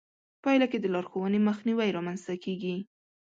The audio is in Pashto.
پايله کې د لارښوونې مخنيوی رامنځته کېږي.